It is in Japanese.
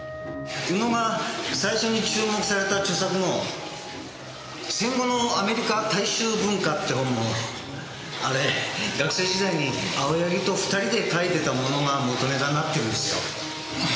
宇野が最初に注目された著作の『戦後のアメリカ大衆文化』っていう本もあれ学生時代に青柳と２人で書いてたものが元ネタになってるんですよ。